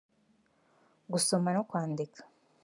gusoma no kwandika